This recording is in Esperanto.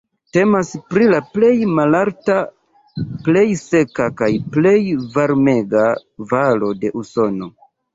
Temas pri la plej malalta, plej seka kaj plej varmega valo de Usono.